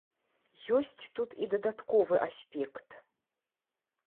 Ёсць тут і дадатковы аспект.